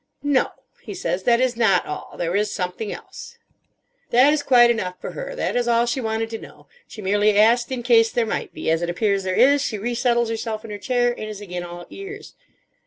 "No," he says, "that is not all. There is something else!" That is quite enough for her. That is all she wanted to know. She merely asked in case there might be. As it appears there is, she re settles herself in her chair and is again all ears.